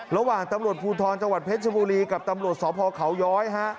ระหว่างตำรวจภูทรจังหวัดเพชรบุรีกับตำรวจสพเขาย้อยฮะ